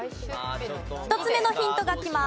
１つ目のヒントがきます。